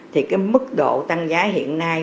thì cái mức độ tăng giá hiện nay